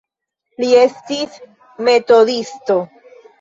Li estis metodisto.